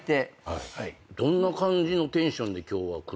どんな感じのテンションで今日は来るのかな。